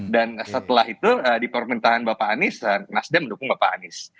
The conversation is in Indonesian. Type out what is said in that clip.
dan setelah itu di pemerintahan bapak anies nasdem mendukung bapak anies